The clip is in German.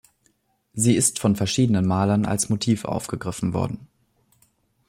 Sie ist von verschiedenen Malern als Motiv aufgegriffen worden.